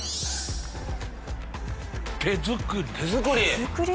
手作り。